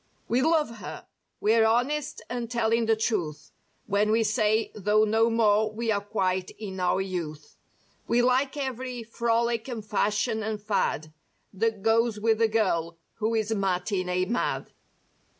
We love her. We're honest and telling the truth When we say, though no more we are quite in our youth. We like every frolic and fashion and fad That goes with the girl who is "matinee mad!"